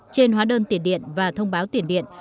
trên hóa đơn tiền điện và thông báo tiền điện